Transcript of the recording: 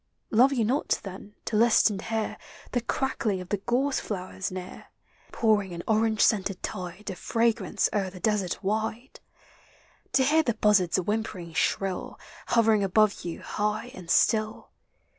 Love you not, then, to list and hear The crackling of the gorse flowers near, Pouring an orange scented tide Of fragrance o'er the desert wide? To hear the buzzard's whimpering shrill, Hovering above you high and si ill?